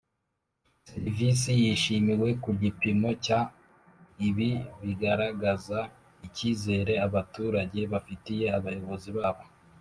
serivisi Yishimiwe ku gipimo cya Ibi bigaragaza icyizere abaturage bafitiye abayobozi babo